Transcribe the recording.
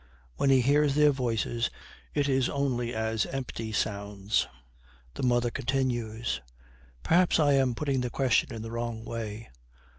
When he hears their voices it is only as empty sounds. The mother continues. 'Perhaps I am putting the question in the wrong way.